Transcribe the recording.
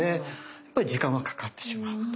やっぱり時間はかかってしまうと。